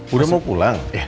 udah mau pulang